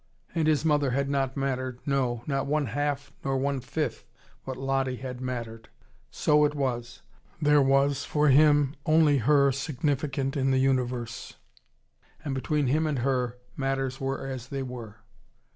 And his mother had not mattered, no, not one half nor one fifth what Lottie had mattered. So it was: there was, for him, only her significant in the universe. And between him and her matters were as they were.